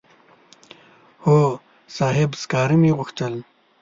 هو صاحب سکاره مې غوښتل.